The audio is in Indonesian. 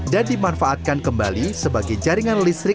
dan dimanfaatkan kembali sebagai jaringan listrik